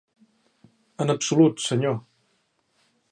En absolut, senyor.